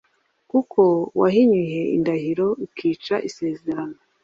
kuko wahinyuye indahiro ukica isezerano